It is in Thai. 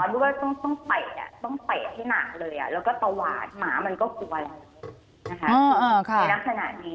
เราก็ต้องแตะให้หนักเลยแล้วก็ตวาดหมามันก็กลัวแล้วนะคะ